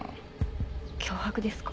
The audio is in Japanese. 脅迫ですか？